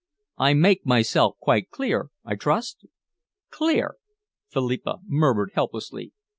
I make myself quite clear, I trust?" "Clear?" Philippa murmured helplessly.